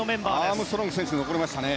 アームストロング選手残りましたね。